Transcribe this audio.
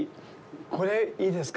これ、いいですか。